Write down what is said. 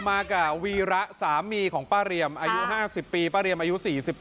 มากับวีระสามีของป้าเรียมอายุ๕๐ปีป้าเรียมอายุ๔๗